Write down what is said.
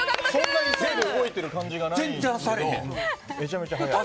そんなに動いてる感じがないけど。